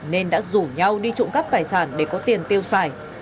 nên đã rủ nhau đi trộm cắp tài sản để có tiền tiêu xài